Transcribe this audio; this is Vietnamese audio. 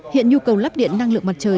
hiện nhu cầu lắp điện năng lượng mặt trời